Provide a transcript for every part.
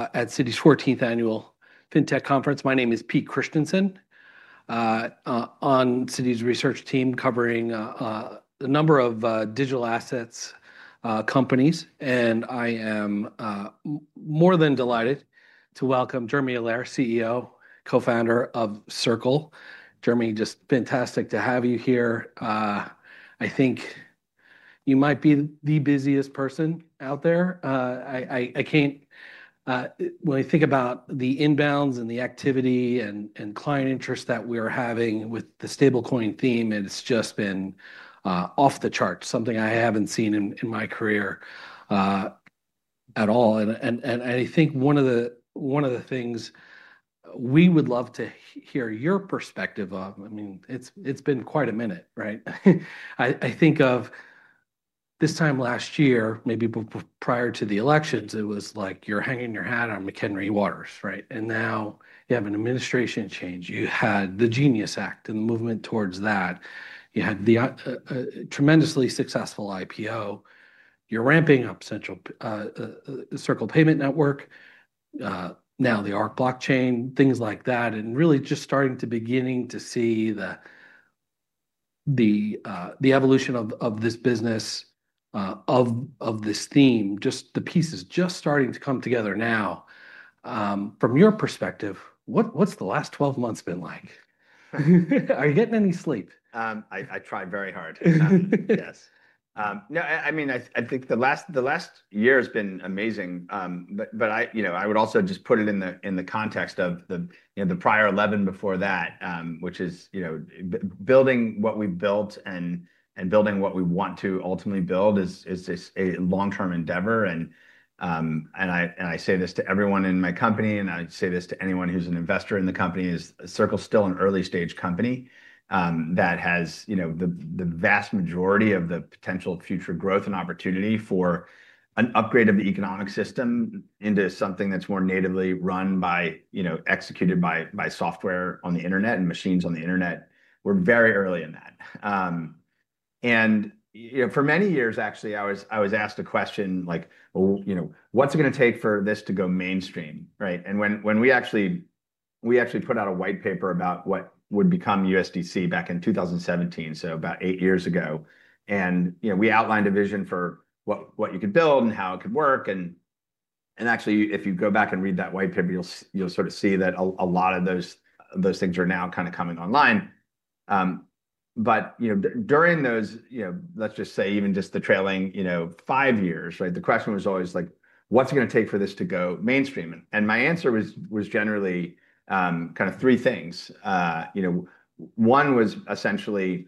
At Citi's 14th Annual FinTech Conference. My name is Pete Christiansen, on Citi's research team covering a number of digital assets companies. I am more than delighted to welcome Jeremy Allaire, CEO, Co-founder of Circle. Jeremy, just fantastic to have you here. I think you might be the busiest person out there. I can't, when I think about the inbounds and the activity and client interest that we're having with the stablecoin theme, it's just been off the charts, something I haven't seen in my career at all. I think one of the things we would love to hear your perspective of, I mean, it's been quite a minute, right? I think of this time last year, maybe prior to the elections, it was like you're hanging your hat on McHenry Waters, right? Now you have an administration change. You had the GENIUS Act and the movement towards that. You had the tremendously successful IPO. You're ramping up Circle Payment Network, now the Arc blockchain, things like that. Really just starting to beginning to see the evolution of this business, of this theme, just the pieces just starting to come together now. From your perspective, what's the last 12 months been like? Are you getting any sleep? I tried very hard. Yes. No, I mean, I think the last year has been amazing. I would also just put it in the context of the prior 11 before that, which is building what we built and building what we want to ultimately build is a long-term endeavor. I say this to everyone in my company, and I say this to anyone who's an investor in the company, is Circle still an early-stage company that has the vast majority of the potential future growth and opportunity for an upgrade of the economic system into something that's more natively run by, executed by software on the internet and machines on the internet. We're very early in that. For many years, actually, I was asked a question like, what's it going to take for this to go mainstream, right? When we actually put out a white paper about what would become USDC back in 2017, so about eight years ago, we outlined a vision for what you could build and how it could work. Actually, if you go back and read that white paper, you'll sort of see that a lot of those things are now kind of coming online. During those, let's just say, even just the trailing five years, the question was always like, what's it going to take for this to go mainstream? My answer was generally kind of three things. One was essentially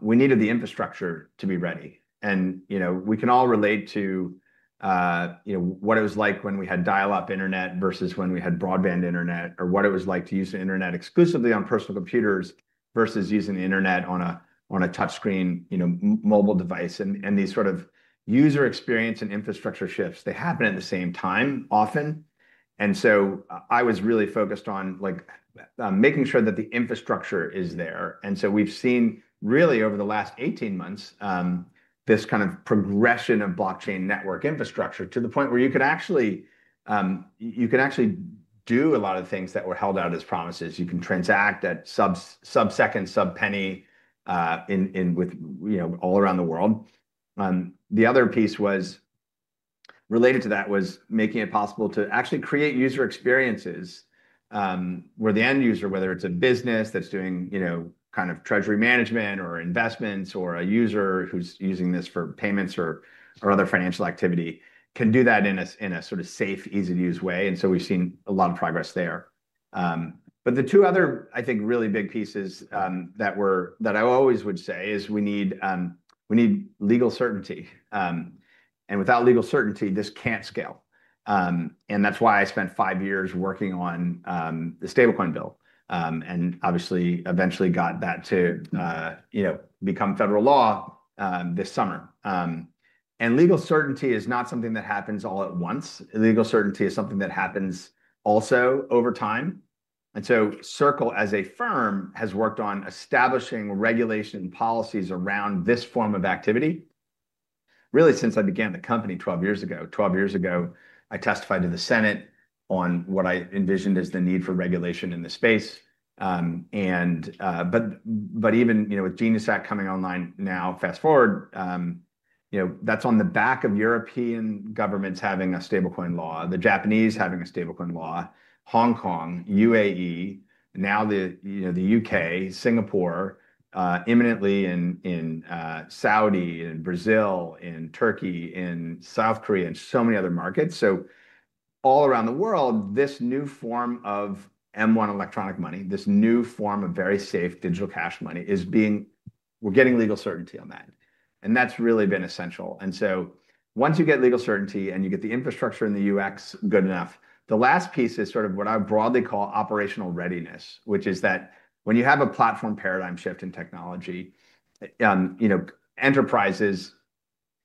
we needed the infrastructure to be ready. We can all relate to what it was like when we had dial-up internet versus when we had broadband internet or what it was like to use the internet exclusively on personal computers versus using the internet on a touchscreen mobile device. These sort of user experience and infrastructure shifts, they happen at the same time often. I was really focused on making sure that the infrastructure is there. We have seen really over the last 18 months this kind of progression of blockchain network infrastructure to the point where you can actually do a lot of things that were held out as promises. You can transact at sub-second, sub-penny all around the world. The other piece related to that was making it possible to actually create user experiences where the end user, whether it's a business that's doing kind of treasury management or investments or a user who's using this for payments or other financial activity, can do that in a sort of safe, easy-to-use way. We've seen a lot of progress there. The two other, I think, really big pieces that I always would say is we need legal certainty. Without legal certainty, this can't scale. That's why I spent five years working on the stablecoin bill and obviously eventually got that to become federal law this summer. Legal certainty is not something that happens all at once. Legal certainty is something that happens also over time. Circle as a firm has worked on establishing regulation policies around this form of activity. Really, since I began the company 12 years ago, 12 years ago, I testified to the Senate on what I envisioned as the need for regulation in the space. Even with GENIUS Act coming online now, fast forward, that's on the back of European governments having a stablecoin law, the Japanese having a stablecoin law, Hong Kong, UAE, now the U.K., Singapore, imminently in Saudi, in Brazil, in Turkey, in South Korea, and so many other markets. All around the world, this new form of M1 electronic money, this new form of very safe digital cash money is being, we're getting legal certainty on that. That's really been essential. Once you get legal certainty and you get the infrastructure in the UX good enough, the last piece is sort of what I broadly call operational readiness, which is that when you have a platform paradigm shift in technology, enterprises,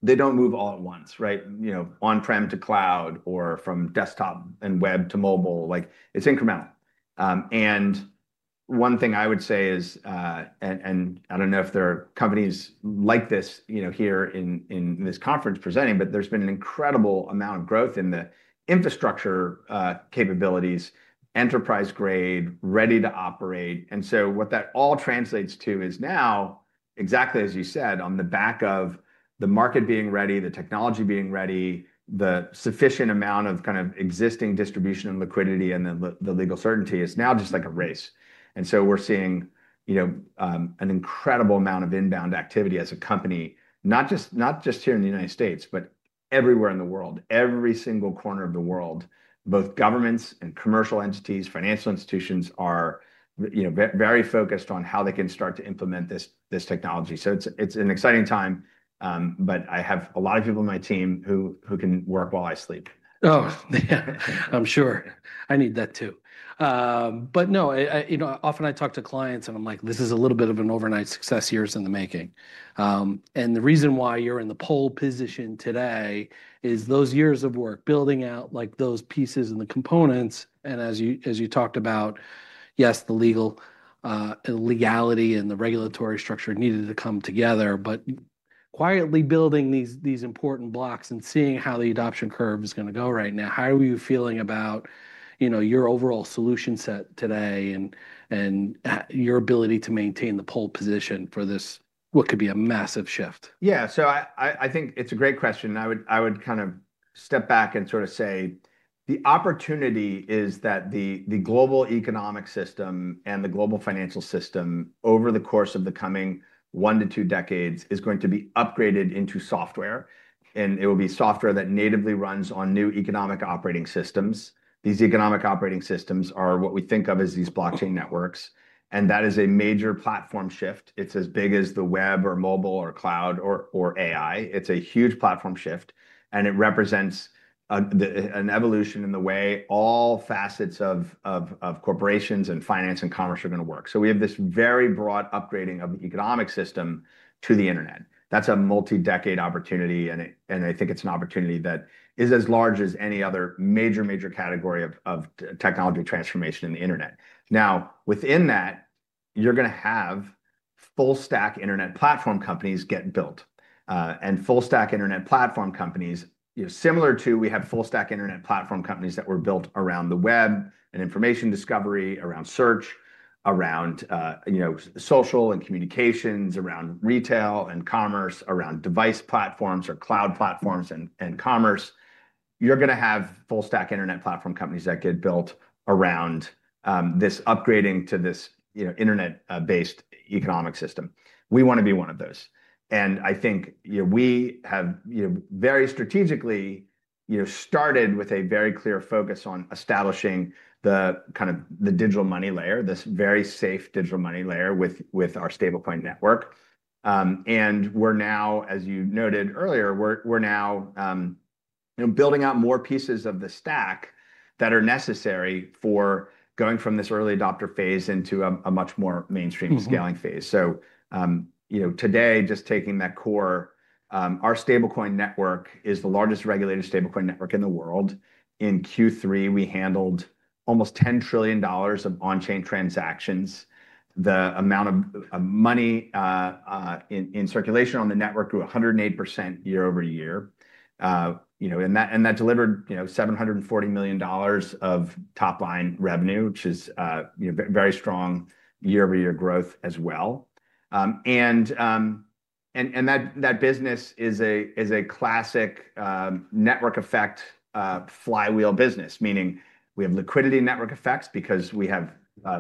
they do not move all at once, right? On-prem to cloud or from desktop and web to mobile. It is incremental. One thing I would say is, and I do not know if there are companies like this here in this conference presenting, but there has been an incredible amount of growth in the infrastructure capabilities, enterprise grade, ready to operate. What that all translates to is now, exactly as you said, on the back of the market being ready, the technology being ready, the sufficient amount of kind of existing distribution and liquidity and the legal certainty, it is now just like a race. We're seeing an incredible amount of inbound activity as a company, not just here in the United States, but everywhere in the world, every single corner of the world, both governments and commercial entities, financial institutions are very focused on how they can start to implement this technology. It is an exciting time, but I have a lot of people on my team who can work while I sleep. Oh, yeah, I'm sure. I need that too. No, often I talk to clients and I'm like, this is a little bit of an overnight success, years in the making. The reason why you're in the pole position today is those years of work building out those pieces and the components. As you talked about, yes, the legality and the regulatory structure needed to come together, but quietly building these important blocks and seeing how the adoption curve is going to go right now, how are you feeling about your overall solution set today and your ability to maintain the pole position for this, what could be a massive shift? Yeah, I think it's a great question. I would kind of step back and sort of say the opportunity is that the global economic system and the global financial system over the course of the coming one to two decades is going to be upgraded into software. It will be software that natively runs on new economic operating systems. These economic operating systems are what we think of as these blockchain networks. That is a major platform shift. It's as big as the web or mobile or cloud or AI. It's a huge platform shift. It represents an evolution in the way all facets of corporations and finance and commerce are going to work. We have this very broad upgrading of the economic system to the internet. That's a multi-decade opportunity. I think it's an opportunity that is as large as any other major, major category of technology transformation in the internet. Within that, you're going to have full-stack internet platform companies get built. Full-stack internet platform companies, similar to we have full-stack internet platform companies that were built around the web and information discovery, around search, around social and communications, around retail and commerce, around device platforms or cloud platforms and commerce. You're going to have full-stack internet platform companies that get built around this upgrading to this internet-based economic system. We want to be one of those. I think we have very strategically started with a very clear focus on establishing the kind of digital money layer, this very safe digital money layer with our stablecoin network. We're now, as you noted earlier, building out more pieces of the stack that are necessary for going from this early adopter phase into a much more mainstream scaling phase. Today, just taking that core, our stablecoin network is the largest regulated stablecoin network in the world. In Q3, we handled almost $10 trillion of on-chain transactions. The amount of money in circulation on the network grew 108% year-over-year. That delivered $740 million of top-line revenue, which is very strong year-over-year growth as well. That business is a classic network effect flywheel business, meaning we have liquidity network effects because we have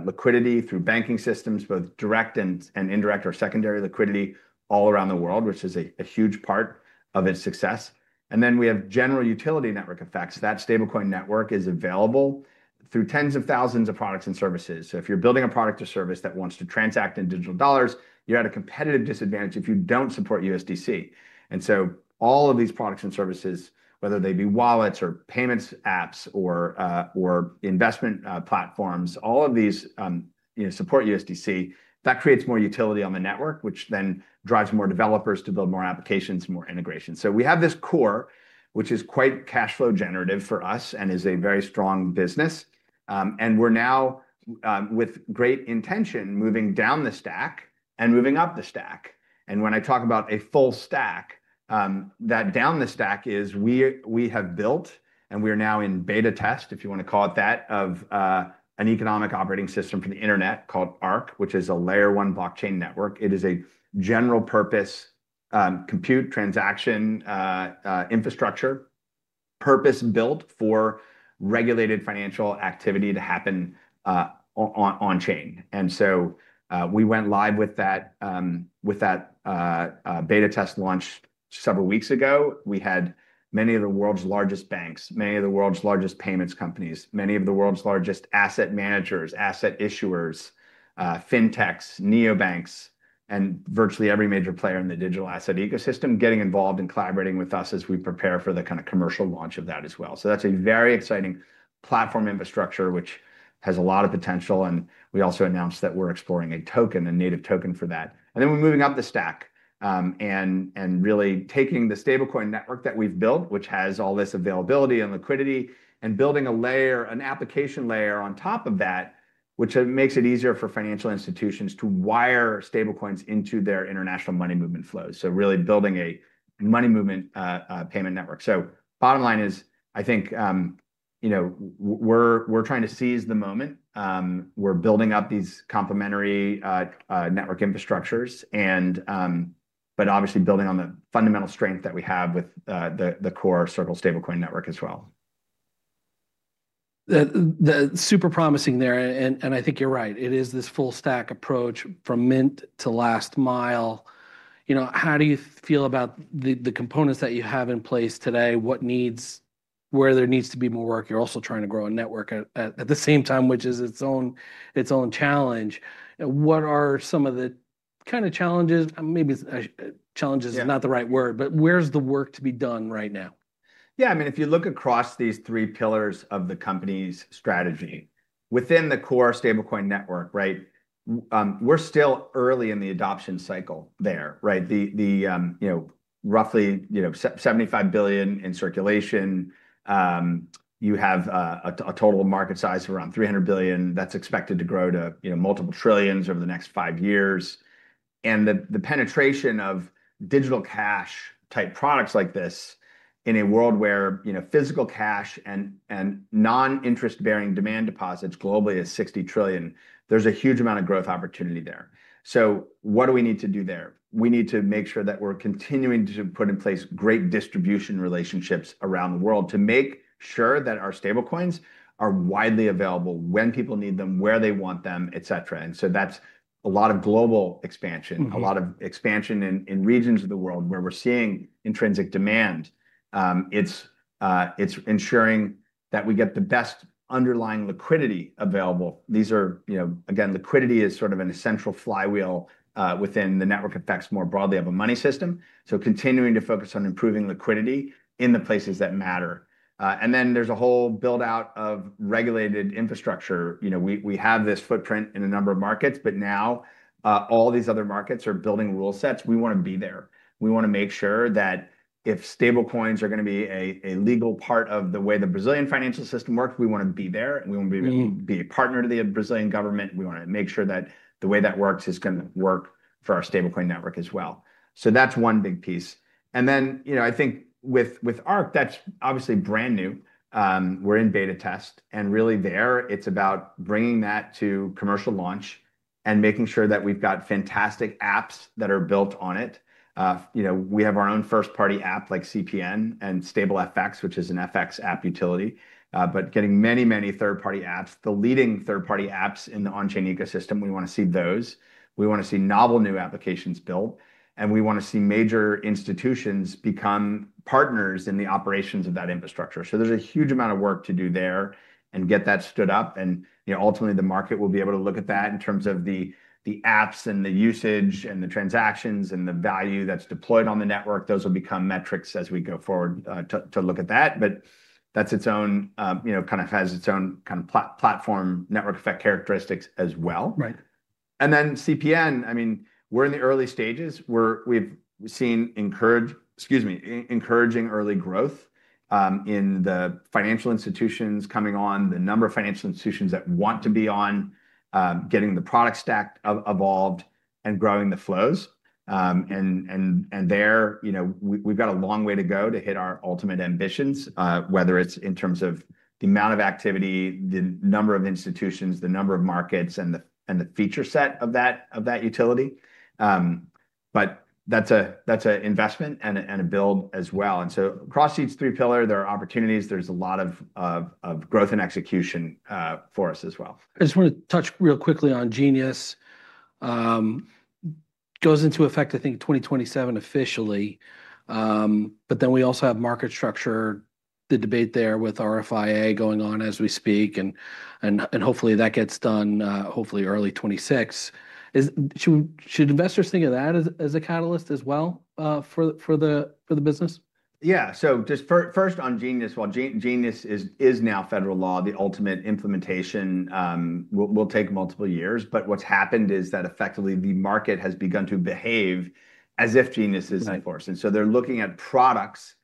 liquidity through banking systems, both direct and indirect or secondary liquidity all around the world, which is a huge part of its success. We have general utility network effects. That stablecoin network is available through tens of thousands of products and services. If you're building a product or service that wants to transact in digital dollars, you're at a competitive disadvantage if you don't support USDC. All of these products and services, whether they be wallets or payments apps or investment platforms, all of these support USDC. That creates more utility on the network, which then drives more developers to build more applications and more integration. We have this core, which is quite cash flow generative for us and is a very strong business. We're now, with great intention, moving down the stack and moving up the stack. When I talk about a full-stack, that down the stack is we have built and we are now in beta test, if you want to call it that, of an economic operating system for the internet called Arc, which is a layer one blockchain network. It is a general purpose compute transaction infrastructure purpose built for regulated financial activity to happen on-chain. We went live with that beta test launch several weeks ago. We had many of the world's largest banks, many of the world's largest payments companies, many of the world's largest asset managers, asset issuers, fintechs, neobanks, and virtually every major player in the digital asset ecosystem getting involved and collaborating with us as we prepare for the kind of commercial launch of that as well. That is a very exciting platform infrastructure, which has a lot of potential. We also announced that we're exploring a token, a native token for that. Then we're moving up the stack and really taking the stablecoin network that we've built, which has all this availability and liquidity, and building an application layer on top of that, which makes it easier for financial institutions to wire stablecoins into their international money movement flows. Really building a money movement payment network. The bottom line is, I think we're trying to seize the moment. We're building up these complementary network infrastructures, but obviously building on the fundamental strength that we have with the core Circle stablecoin network as well. That's super promising there. I think you're right. It is this full-stack approach from mint to last mile. How do you feel about the components that you have in place today? Where there needs to be more work, you're also trying to grow a network at the same time, which is its own challenge. What are some of the kind of challenges? Maybe challenges is not the right word, but where's the work to be done right now? Yeah, I mean, if you look across these three pillars of the company's strategy within the core stablecoin network, right, we're still early in the adoption cycle there, right? Roughly $75 billion in circulation. You have a total market size of around $300 billion that's expected to grow to multiple trillions over the next five years. The penetration of digital cash type products like this in a world where physical cash and non-interest-bearing demand deposits globally is $60 trillion, there's a huge amount of growth opportunity there. What do we need to do there? We need to make sure that we're continuing to put in place great distribution relationships around the world to make sure that our stablecoins are widely available when people need them, where they want them, et cetera. That is a lot of global expansion, a lot of expansion in regions of the world where we are seeing intrinsic demand. It is ensuring that we get the best underlying liquidity available. Liquidity is sort of an essential flywheel within the network effects more broadly of a money system. Continuing to focus on improving liquidity in the places that matter. There is a whole build-out of regulated infrastructure. We have this footprint in a number of markets, but now all these other markets are building rule sets. We want to be there. We want to make sure that if stablecoins are going to be a legal part of the way the Brazilian financial system works, we want to be there. We want to be a partner to the Brazilian government. We want to make sure that the way that works is going to work for our stablecoin network as well. That is one big piece. I think with Arc, that is obviously brand new. We are in beta test. Really there, it is about bringing that to commercial launch and making sure that we have got fantastic apps that are built on it. We have our own first-party app like CPN and StableFX, which is an FX app utility, but getting many, many third-party apps, the leading third-party apps in the on-chain ecosystem. We want to see those. We want to see novel new applications built. We want to see major institutions become partners in the operations of that infrastructure. There is a huge amount of work to do there and get that stood up. Ultimately, the market will be able to look at that in terms of the apps and the usage and the transactions and the value that's deployed on the network. Those will become metrics as we go forward to look at that. That has its own kind of platform network effect characteristics as well. Right. CPN, I mean, we're in the early stages. We've seen encouraging early growth in the financial institutions coming on, the number of financial institutions that want to be on, getting the product stack evolved and growing the flows. There, we've got a long way to go to hit our ultimate ambitions, whether it's in terms of the amount of activity, the number of institutions, the number of markets, and the feature set of that utility. That's an investment and a build as well. Across each three-pillar, there are opportunities. There's a lot of growth and execution for us as well. I just want to touch real quickly on GENIUS. It goes into effect, I think, 2027 officially. We also have market structure, the debate there with RFIA going on as we speak. Hopefully that gets done hopefully early 2026. Should investors think of that as a catalyst as well for the business? Yeah. Just first on GENIUS, while GENIUS is now federal law, the ultimate implementation will take multiple years. What's happened is that effectively the market has begun to behave as if GENIUS is in force. They're looking at products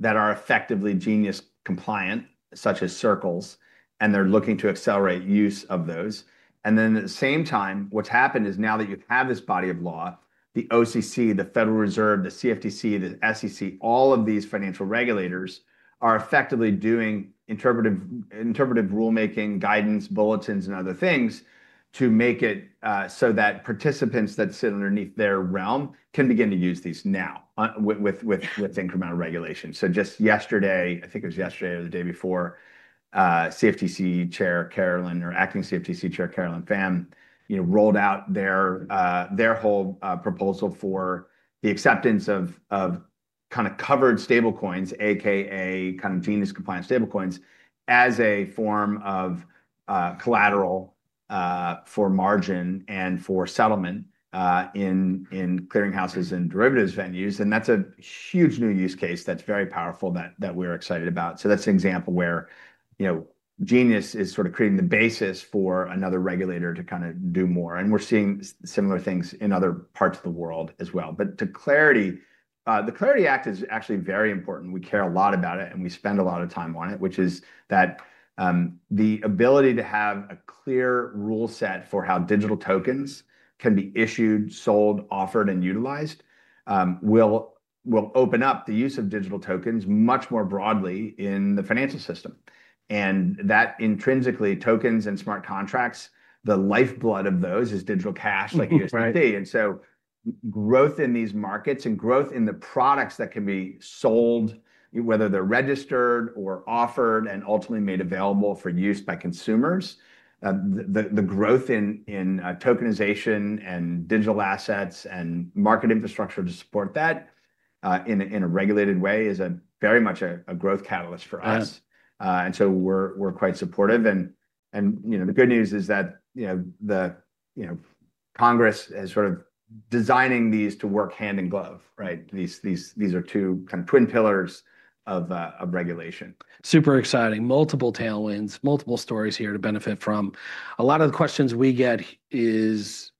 that are effectively GENIUS compliant, such as Circle's, and they're looking to accelerate use of those. At the same time, what's happened is now that you have this body of law, the OCC, the Federal Reserve, the CFTC, the SEC, all of these financial regulators are effectively doing interpretive rulemaking, guidance, bulletins, and other things to make it so that participants that sit underneath their realm can begin to use these now with incremental regulation. Just yesterday, I think it was yesterday or the day before, CFTC Acting Chair Carolyn Pham rolled out their whole proposal for the acceptance of kind of covered stablecoins, a.k.a. kind of GENIUS-compliant stablecoins as a form of collateral for margin and for settlement in clearinghouses and derivatives venues. That's a huge new use case that's very powerful that we're excited about. That's an example where GENIUS is sort of creating the basis for another regulator to kind of do more. We're seeing similar things in other parts of the world as well. The CLARITY Act is actually very important. We care a lot about it, and we spend a lot of time on it, which is that the ability to have a clear rule set for how digital tokens can be issued, sold, offered, and utilized will open up the use of digital tokens much more broadly in the financial system. That intrinsically, tokens and smart contracts, the lifeblood of those is digital cash like you just said. Growth in these markets and growth in the products that can be sold, whether they're registered or offered and ultimately made available for use by consumers, the growth in tokenization and digital assets and market infrastructure to support that in a regulated way is very much a growth catalyst for us. We are quite supportive. The good news is that the Congress is sort of designing these to work hand in glove, right? These are two kind of twin pillars of regulation. Super exciting. Multiple tailwinds, multiple stories here to benefit from. A lot of the questions we get is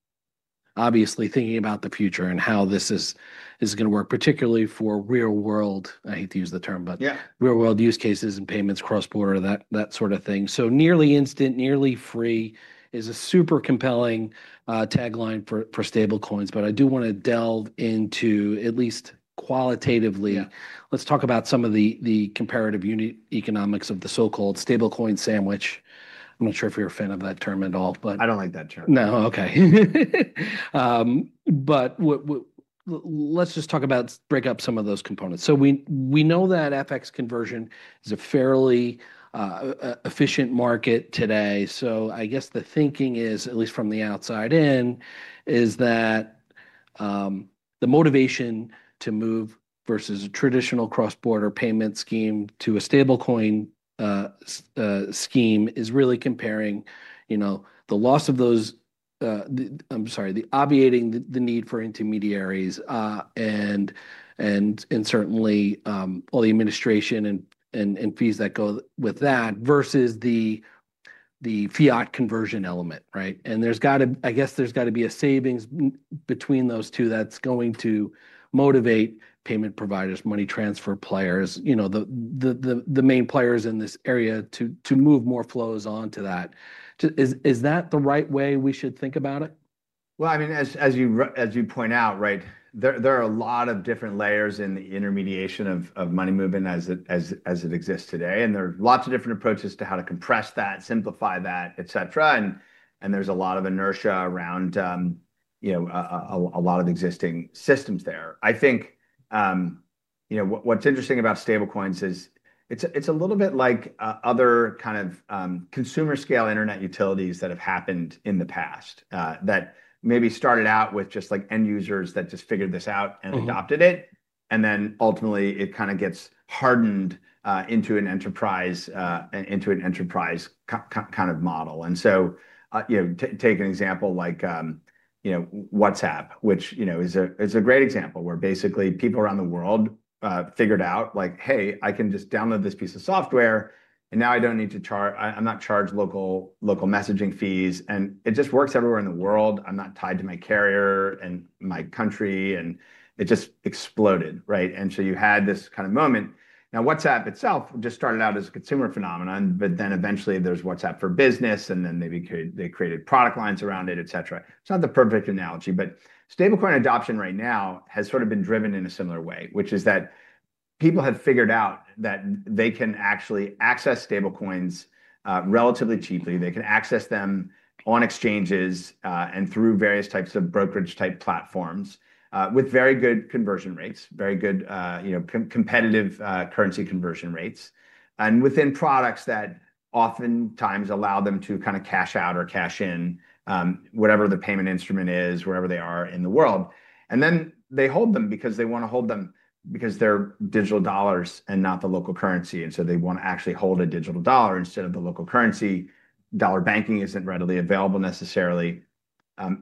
obviously thinking about the future and how this is going to work, particularly for real-world, I hate to use the term, but real-world use cases and payments cross-border, that sort of thing. Nearly instant, nearly free is a super compelling tagline for stablecoins. I do want to delve into at least qualitatively. Let's talk about some of the comparative economics of the so-called Stablecoin Sandwich. I'm not sure if you're a fan of that term at all, but. I don't like that term. No, okay. Let's just talk about break up some of those components. We know that FX conversion is a fairly efficient market today. I guess the thinking is, at least from the outside in, that the motivation to move versus a traditional cross-border payment scheme to a stablecoin scheme is really comparing the loss of those, I'm sorry, the obviating the need for intermediaries and certainly all the administration and fees that go with that versus the fiat conversion element, right? I guess there's got to be a savings between those two that's going to motivate payment providers, money transfer players, the main players in this area to move more flows onto that. Is that the right way we should think about it? I mean, as you point out, there are a lot of different layers in the intermediation of money movement as it exists today. There are lots of different approaches to how to compress that, simplify that, et cetera. There is a lot of inertia around a lot of existing systems there. I think what's interesting about stablecoins is it's a little bit like other kind of consumer-scale internet utilities that have happened in the past that maybe started out with just end users that just figured this out and adopted it. Ultimately, it kind of gets hardened into an enterprise kind of model. Take an example like WhatsApp, which is a great example where basically people around the world figured out like, "Hey, I can just download this piece of software. Now I do not need to charge, I am not charged local messaging fees. It just works everywhere in the world. I am not tied to my carrier and my country. It just exploded, right? You had this kind of moment. WhatsApp itself just started out as a consumer phenomenon, but then eventually there is WhatsApp for business, and then they created product lines around it, et cetera. It is not the perfect analogy, but stablecoin adoption right now has sort of been driven in a similar way, which is that people have figured out that they can actually access stablecoins relatively cheaply. They can access them on exchanges and through various types of brokerage-type platforms with very good conversion rates, very good competitive currency conversion rates, within products that oftentimes allow them to kind of cash out or cash in whatever the payment instrument is, wherever they are in the world. They hold them because they want to hold them because they're digital dollars and not the local currency. They want to actually hold a digital dollar instead of the local currency. Dollar banking isn't readily available necessarily.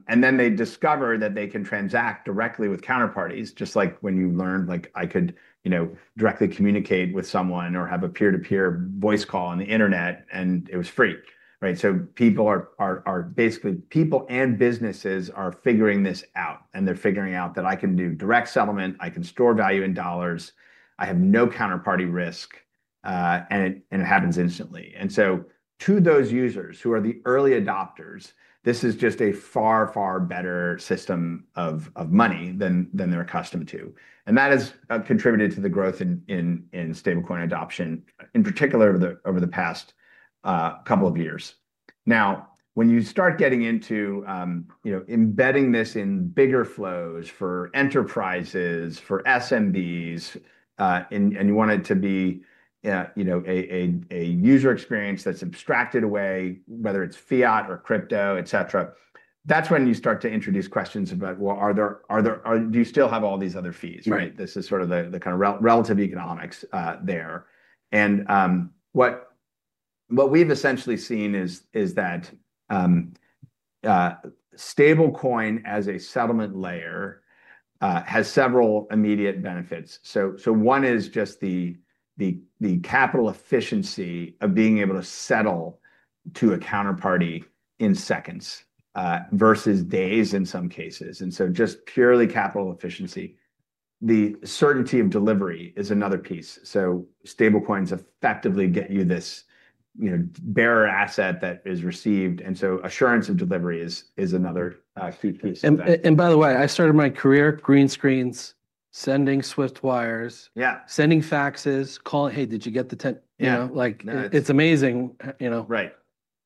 They discover that they can transact directly with counterparties, just like when you learned like I could directly communicate with someone or have a peer-to-peer voice call on the internet, and it was free, right? People are basically, people and businesses are figuring this out. They are figuring out that I can do direct settlement, I can store value in dollars, I have no counterparty risk, and it happens instantly. To those users who are the early adopters, this is just a far, far better system of money than they are accustomed to. That has contributed to the growth in stablecoin adoption, in particular over the past couple of years. Now, when you start getting into embedding this in bigger flows for enterprises, for SMBs, and you want it to be a user experience that is abstracted away, whether it is fiat or crypto, et cetera, that is when you start to introduce questions about, do you still have all these other fees, right? This is sort of the kind of relative economics there. What we have essentially seen is that stablecoin as a settlement layer has several immediate benefits. One is just the capital efficiency of being able to settle to a counterparty in seconds versus days in some cases. Just purely capital efficiency. The certainty of delivery is another piece. Stablecoins effectively get you this bearer asset that is received. Assurance of delivery is another key piece. By the way, I started my career, green screens, sending SWIFT wires, sending faxes, calling, "Hey, did you get the 10?" It's amazing. Right.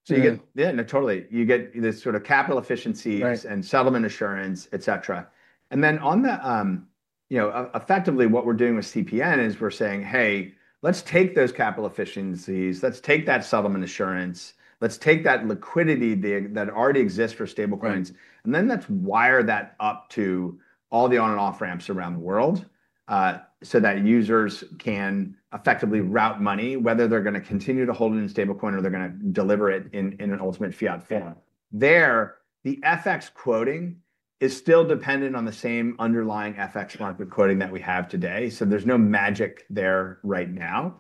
Yeah, totally. You get this sort of capital efficiency and settlement assurance, et cetera. Effectively what we're doing with CPN is we're saying, "Hey, let's take those capital efficiencies. Let's take that settlement assurance. Let's take that liquidity that already exists for stablecoins." Let's wire that up to all the on-and-off ramps around the world so that users can effectively route money, whether they're going to continue to hold it in stablecoin or they're going to deliver it in an ultimate fiat form. There, the FX quoting is still dependent on the same underlying FX market quoting that we have today. There is no magic there right now.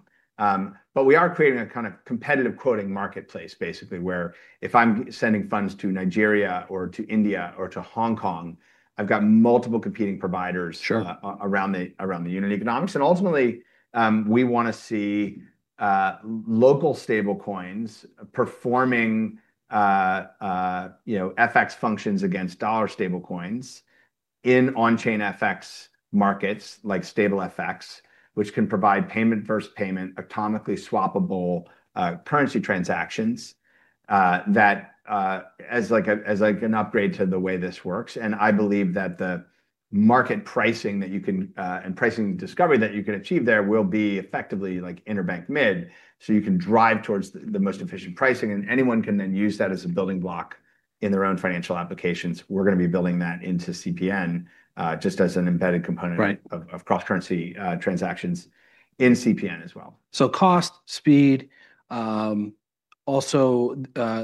We are creating a kind of competitive quoting marketplace, basically, where if I'm sending funds to Nigeria or to India or to Hong Kong, I've got multiple competing providers around the unit economics. Ultimately, we want to see local stablecoins performing FX functions against dollar stablecoins in on-chain FX markets like StableFX, which can provide payment versus payment, economically swappable currency transactions as an upgrade to the way this works. I believe that the market pricing and pricing discovery that you can achieve there will be effectively like interbank mid. You can drive towards the most efficient pricing, and anyone can then use that as a building block in their own financial applications. We are going to be building that into CPN just as an embedded component of cross-currency transactions in CPN as well. Cost, speed, also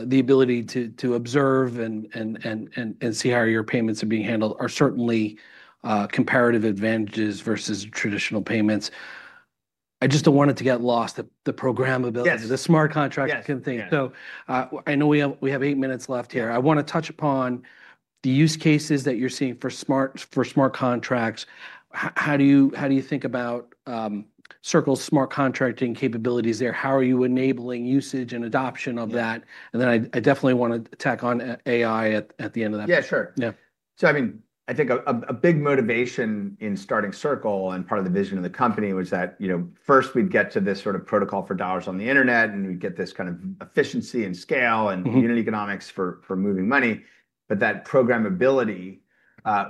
the ability to observe and see how your payments are being handled are certainly comparative advantages versus traditional payments. I just do not want it to get lost, the programmability, the smart contracts kind of thing. I know we have eight minutes left here. I want to touch upon the use cases that you are seeing for smart contracts. How do you think about Circle's smart contracting capabilities there? How are you enabling usage and adoption of that? I definitely want to tack on AI at the end of that. Yeah, sure. I mean, I think a big motivation in starting Circle and part of the vision of the company was that first we'd get to this sort of protocol for dollars on the internet, and we'd get this kind of efficiency and scale and unit economics for moving money. That programmability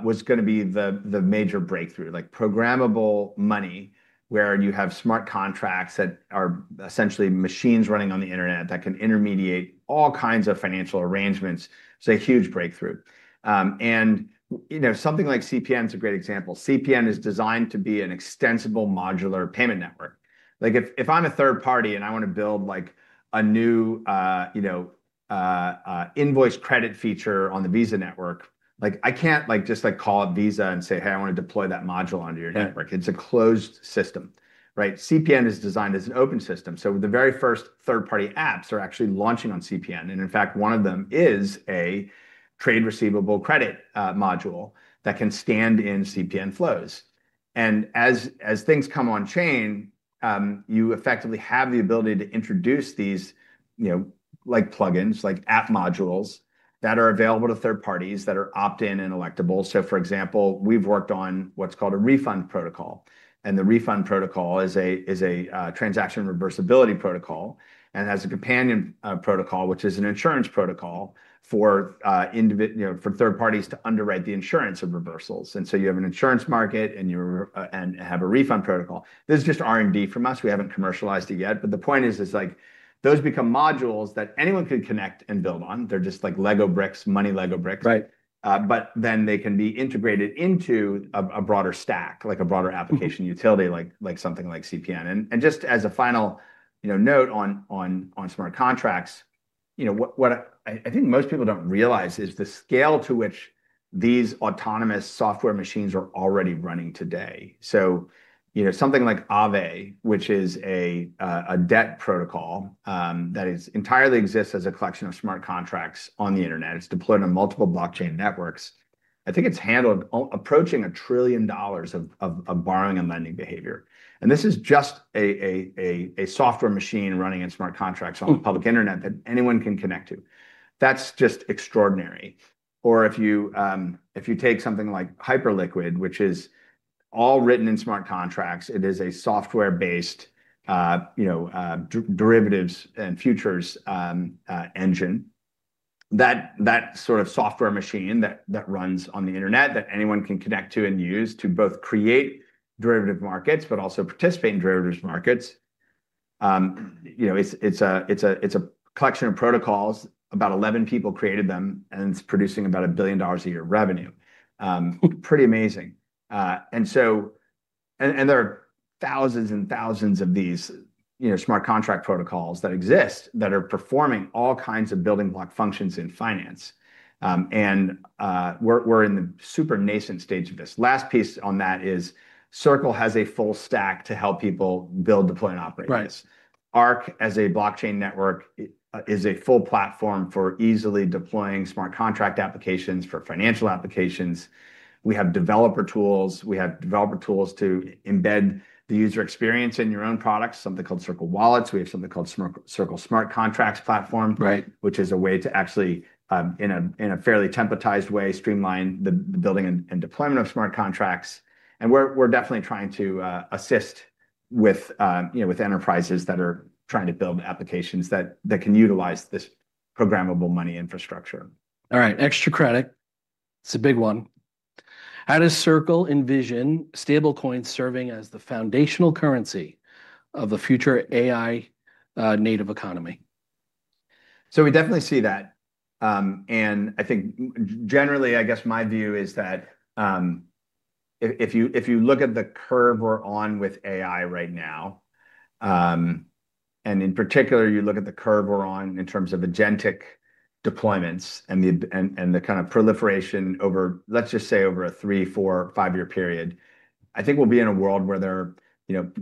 was going to be the major breakthrough, like programmable money where you have smart contracts that are essentially machines running on the internet that can intermediate all kinds of financial arrangements. It's a huge breakthrough. Something like CPN is a great example. CPN is designed to be an extensible modular payment network. If I'm a third party and I want to build a new invoice credit feature on the Visa network, I can't just call Visa and say, "Hey, I want to deploy that module onto your network." It's a closed system, right? CPN is designed as an open system. The very first third-party apps are actually launching on CPN. In fact, one of them is a trade receivable credit module that can stand in CPN flows. As things come on chain, you effectively have the ability to introduce these plugins, like app modules that are available to third parties that are opt-in and electable. For example, we've worked on what's called a refund protocol. The refund protocol is a transaction reversibility protocol and has a companion protocol, which is an insurance protocol for third parties to underwrite the insurance of reversals. You have an insurance market and have a refund protocol. This is just R&D from us. We haven't commercialized it yet. The point is, those become modules that anyone can connect and build on. They're just like lego bricks, money lego bricks. Then they can be integrated into a broader stack, like a broader application utility, like something like CPN. Just as a final note on smart contracts, I think most people do not realize the scale to which these autonomous software machines are already running today. Something like Aave, which is a debt protocol that entirely exists as a collection of smart contracts on the internet, is deployed on multiple blockchain networks. I think it has handled approaching $1 trillion of borrowing and lending behavior. This is just a software machine running in smart contracts on the public internet that anyone can connect to. That is just extraordinary. If you take something like Hyperliquid, which is all written in smart contracts, it is a software-based derivatives and futures engine, that sort of software machine that runs on the internet that anyone can connect to and use to both create derivative markets, but also participate in derivative markets. It's a collection of protocols. About 11 people created them, and it's producing about $1 billion a year revenue. Pretty amazing. There are thousands and thousands of these smart contract protocols that exist that are performing all kinds of building block functions in finance. We're in the super nascent stage of this. Last piece on that is Circle has a full-stack to help people build, deploy, and operate this. Arc as a blockchain network is a full platform for easily deploying smart contract applications for financial applications. We have developer tools. We have developer tools to embed the user experience in your own products, something called Circle Wallets. We have something called Circle Smart Contracts Platform, which is a way to actually, in a fairly templatized way, streamline the building and deployment of smart contracts. We are definitely trying to assist with enterprises that are trying to build applications that can utilize this programmable money infrastructure. All right, extra credit. It's a big one. How does Circle envision stablecoins serving as the foundational currency of the future AI-native economy? We definitely see that. I think generally, I guess my view is that if you look at the curve we're on with AI right now, and in particular, you look at the curve we're on in terms of agentic deployments and the kind of proliferation over, let's just say, over a three, four, five-year period, I think we'll be in a world where there are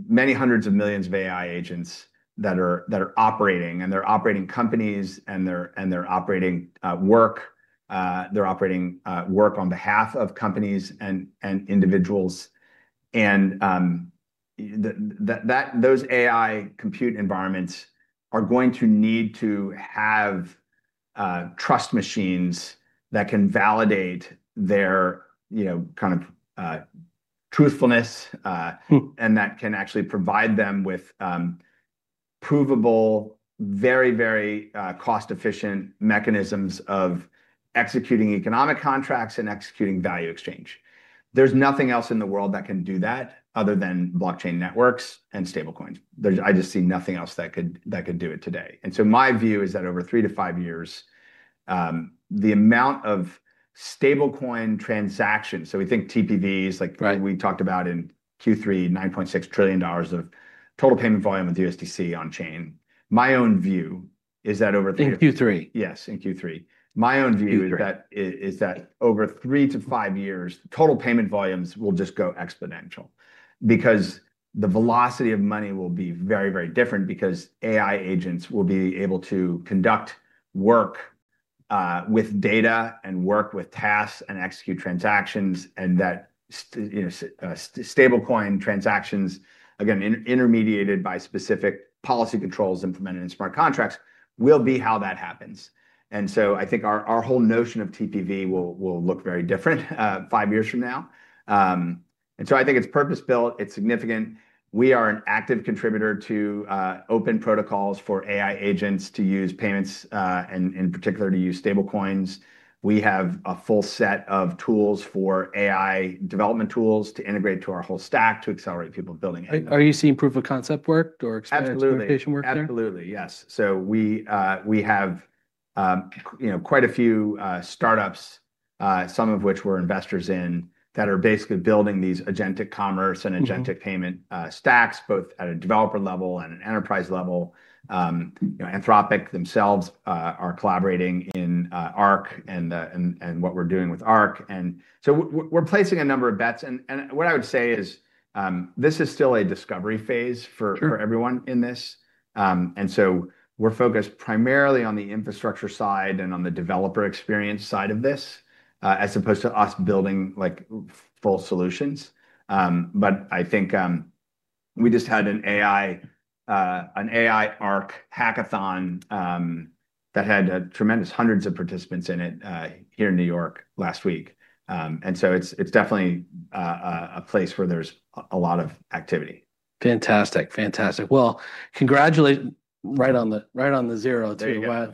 many hundreds of millions of AI agents that are operating, and they're operating companies, and they're operating work. They're operating work on behalf of companies and individuals. Those AI compute environments are going to need to have trust machines that can validate their kind of truthfulness and that can actually provide them with provable, very, very cost-efficient mechanisms of executing economic contracts and executing value exchange. There's nothing else in the world that can do that other than blockchain networks and stablecoins. I just see nothing else that could do it today. My view is that over three to five years, the amount of stablecoin transactions, so we think TPVs, like we talked about in Q3, $9.6 trillion of total payment volume with USDC on chain. My own view is that over. In Q3. Yes, in Q3. My own view is that over three to five years, total payment volumes will just go exponential because the velocity of money will be very, very different because AI agents will be able to conduct work with data and work with tasks and execute transactions. That stablecoin transactions, again, intermediated by specific policy controls implemented in smart contracts, will be how that happens. I think our whole notion of TPV will look very different five years from now. I think it's purpose-built. It's significant. We are an active contributor to open protocols for AI agents to use payments and in particular to use stablecoins. We have a full set of tools for AI development tools to integrate to our whole stack to accelerate people building AI. Are you seeing proof of concept work or experimentation work there? Absolutely. Absolutely, yes. We have quite a few startups, some of which we're investors in, that are basically building these agentic commerce and agentic payment stacks, both at a developer level and an enterprise level. Anthropic themselves are collaborating in Arc and what we're doing with Arc. We're placing a number of bets. What I would say is this is still a discovery phase for everyone in this. We're focused primarily on the infrastructure side and on the developer experience side of this as opposed to us building full solutions. I think we just had an AI Arc hackathon that had tremendous hundreds of participants in it here in New York last week. It is definitely a place where there's a lot of activity. Fantastic. Fantastic. Congratulations right on the zero too.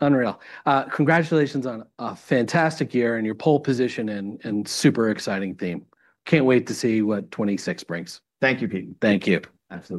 Unreal. Congratulations on a fantastic year and your pole position and super exciting theme. Can't wait to see what 2026 brings. Thank you, Pete. Thank you. Absolutely.